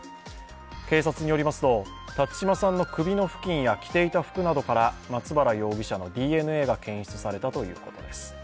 警察によりますと、辰島さんの首の付近や着ていた服などから松原容疑者のＤＮＡが検出されたということです。